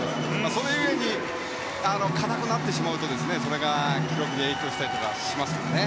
それゆえに、硬くなってしまうとそれが、記録に影響したりしますからね。